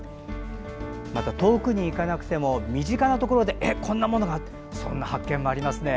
また、遠くに行かなくても身近なところでこんなものが？という発見がありますね。